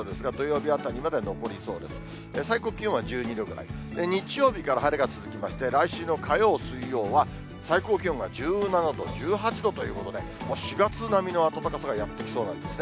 日曜日から晴れが続きまして、来週の火曜、水曜は最高気温が１７度、１８度ということで、もう４月並みの暖かさがやってきそうなんですね。